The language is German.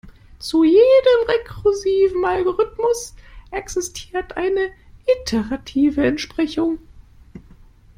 Zu jedem rekursiven Algorithmus existiert eine iterative Entsprechung.